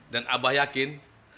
dan abah yakin